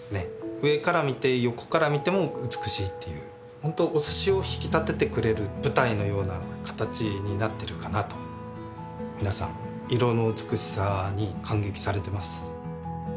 上から見て横から見ても美しいっていうホントお寿司を引き立ててくれる舞台のような形になってるかなと皆さん色の美しさに感激されてます